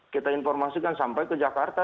kita informasikan sampai ke jakarta